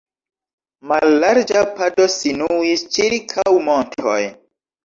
Mallarĝa pado sinuis ĉirkaŭ montoj.